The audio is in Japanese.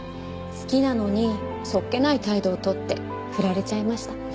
好きなのにそっけない態度をとってふられちゃいました。